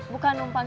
bukan numpang jualan